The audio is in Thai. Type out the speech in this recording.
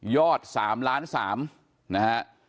อด๓ล้าน๓นะฮะ